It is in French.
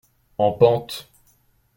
En pente.